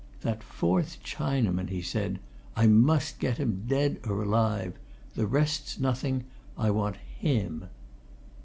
"That fourth Chinaman?" he said. "I must get him, dead or alive. The rest's nothing I want him!"